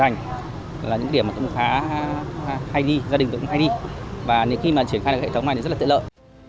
ảnh là những điểm mà cũng khá hay đi gia đình tôi cũng hay đi và khi mà triển khai được hệ thống này thì rất là tiện lợi